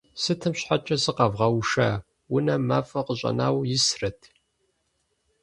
Сытым щхьэкӀэ сыкъэвгъэуша? Унэм мафӀэ къыщӀэнауэ исрэт?!